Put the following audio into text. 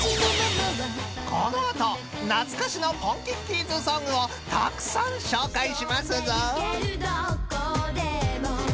［この後懐かしのポンキッキーズソングをたくさん紹介しますぞ］